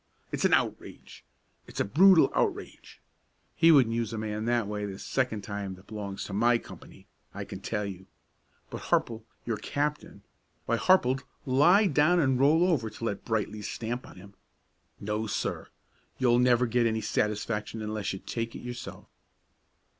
It's an outrage, it's a brutal outrage. He wouldn't use a man that way the second time that belongs to my company, I can tell you; but Harple, your captain, why Harple'd lie down and roll over to let Brightly stamp on him. No, sir! You'll never get any satisfaction unless you take it yourself."